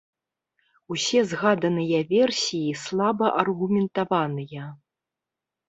Усе згаданыя версіі слаба аргументаваныя.